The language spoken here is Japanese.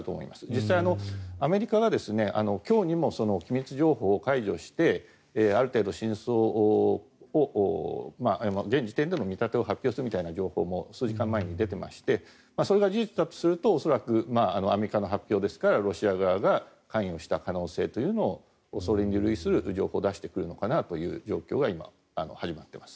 実際にアメリカは今日にも機密情報を解除してある程度真相を現時点での見立てを発表するみたいな情報も数時間前に出ていましてそれが事実だとすると恐らくアメリカの発表ですからロシア側が関与した可能性というのをそれに類する情報を出してくるのかなという状況が今、始まっています。